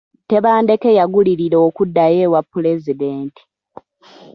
Tebandeke yagulirira okuddayo ewa Pulezidenti.